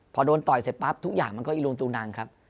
พอโดนต่อยเสร็จปั๊บทุกอย่างมันก็อีลุงตูนังครับ